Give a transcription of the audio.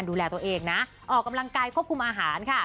ดูแลตัวเองนะออกกำลังกายควบคุมอาหารค่ะ